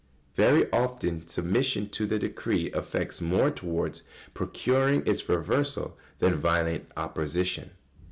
Very often submission to the decree effects more towards procuring its reversal than violent opposition.